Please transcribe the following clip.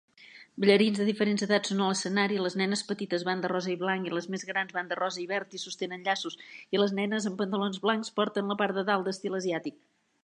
Ballarins de diferents edats són a l'escenari, les nenes petites van de rosa i blanc, i les més grans van de rosa i verd i sostenen llaços, i les nenes amb pantalons blancs porten la part de dalt d'estil asiàtic.